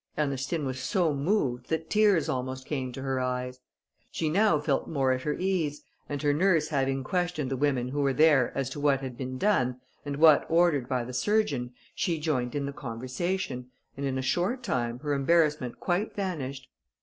Ernestine was so moved, that tears almost came to her eyes. She now felt more at her ease and her nurse having questioned the women who were there as to what had been done, and what ordered by the surgeon, she joined in the conversation, and in a short time her embarrassment quite vanished.